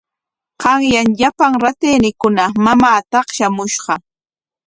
Qanyan llapan ratayniikuna mamaa taqshamushqa.